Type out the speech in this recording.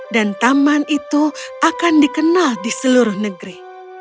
dan taman itu akan dikenal di seluruh negeri